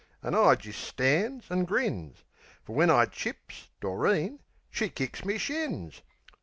An' I jist stan's an' grins; Fer when I chips, Doreen she kicks me shins.